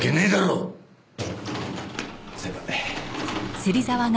先輩。